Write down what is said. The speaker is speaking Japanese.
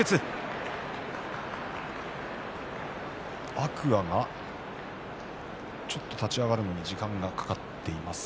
天空海が立ち上がるのに時間がかかっています。